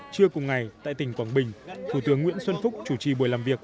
trưa cùng ngày tại tỉnh quảng bình thủ tướng nguyễn xuân phúc chủ trì buổi làm việc